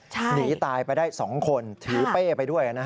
หนีตายไปได้๒คนถือเป้ไปด้วย